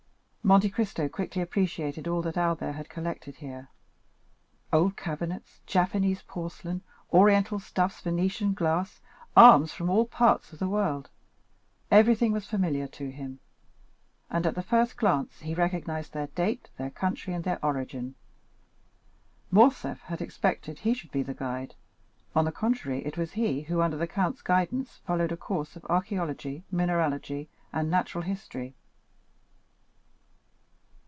Monte Cristo quickly appreciated all that Albert had collected here—old cabinets, Japanese porcelain, Oriental stuffs, Venetian glass, arms from all parts of the world—everything was familiar to him; and at the first glance he recognized their date, their country, and their origin. Morcerf had expected he should be the guide; on the contrary, it was he who, under the count's guidance, followed a course of archæology, mineralogy, and natural history.